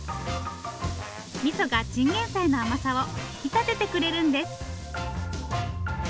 みそがチンゲンサイの甘さを引き立ててくれるんです。